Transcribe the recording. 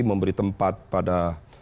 memberi tempat pada